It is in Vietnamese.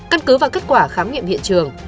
căn cứ và kết quả khám nghiệm hiện trường